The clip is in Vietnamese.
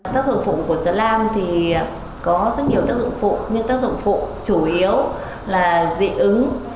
tác dụng phụ của dỡ lam thì có rất nhiều tác dụng phụ nhưng tác dụng phụ chủ yếu là dị ứng